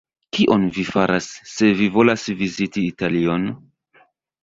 Kion vi faras, se vi volas viziti Italion?